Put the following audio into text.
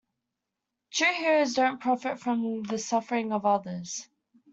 True heroes don't profit from the suffering of others.